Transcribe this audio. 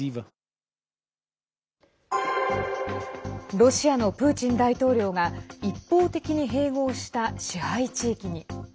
ロシアのプーチン大統領が一方的に併合した支配地域に。